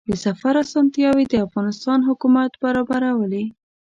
د سفر اسانتیاوې د افغانستان حکومت برابرولې.